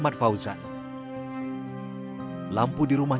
kadang kadang sampai lima puluh lima liter itu mas